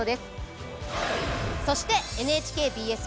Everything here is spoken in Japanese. そしてＮＨＫＢＳ